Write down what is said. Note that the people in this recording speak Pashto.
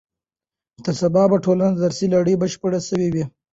تر سبا به ټوله درسي لړۍ بشپړه سوې وي.